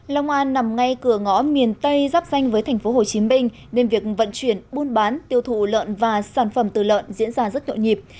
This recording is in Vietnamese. long an nằm ngay cửa ngõ miền tây giáp danh với tp hcm nên việc vận chuyển buôn bán tiêu thụ lợn và sản phẩm từ lợn diễn ra rất nhộn nhịp